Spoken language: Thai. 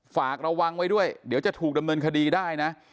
ฝากระวังไว้ด้วยเดี๋ยวจะถูกดำเนินคดีได้นะ